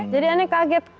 jadi ananya kaget